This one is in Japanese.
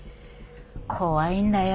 怖いんだよ